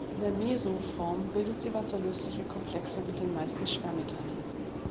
In der "meso"-Form bildet sie wasserlösliche Komplexe mit den meisten Schwermetallen.